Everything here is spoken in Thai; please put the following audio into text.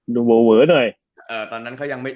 ดูเวอหน่อย